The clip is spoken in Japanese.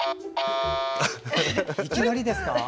いきなりですか。